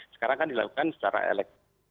sekarang kan dilakukan secara elek